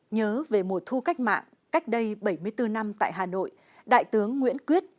nhớ về mùa thu cách mạng cách đây bảy mươi bốn năm tại hà nội đại tướng nguyễn quyết